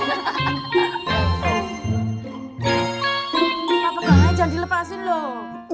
apa mayanya jangan dilepasin loh